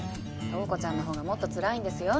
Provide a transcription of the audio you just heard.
塔子ちゃんのほうがもっとつらいんですよ